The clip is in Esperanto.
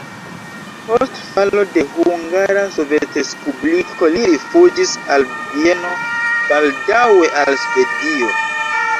Post falo de Hungara Sovetrespubliko li rifuĝis al Vieno, baldaŭe al Svedio.